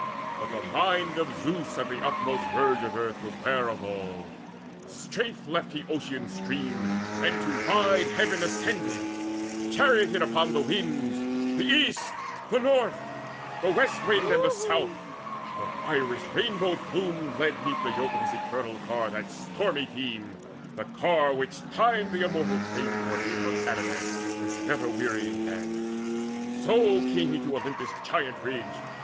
But the mind of Zeus, At the utmost verge of earth, was ware of all: Straight left he Ocean's stream, and to wide heaven Ascended, charioted upon the winds, The East, the North, the West wind, and the South: For Iris rainbow plumed led 'neath the yoke Of his eternal ear that stormy team, The ear which Time the immortal framed for him Of adamant with never wearying hands. So came he to Olympus' giant ridge.